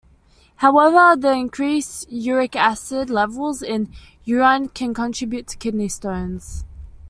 However, the increased uric acid levels in urine can contribute to kidney stones.